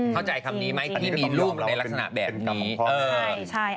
เข้าใจคำนี้ไหมที่มีรูปในลักษณะแบบนี้